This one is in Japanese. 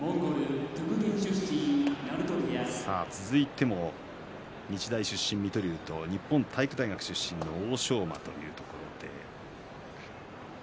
続いても日大出身、水戸龍と日本体育大学出身の欧勝馬という対戦です。